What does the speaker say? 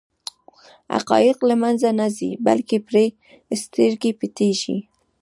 حقایق له منځه نه ځي بلکې پرې سترګې پټېږي.